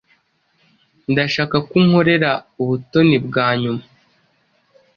Ndashaka ko unkorera ubutoni bwa nyuma.